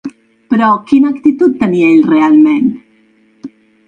Però quina actitud tenia ell realment?